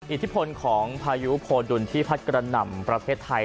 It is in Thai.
อิทธิพลของพายุโพดุลที่พัดกระหน่ำประเทศไทย